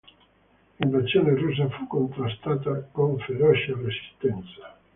L'invasione russa fu contrastata con feroce resistenza.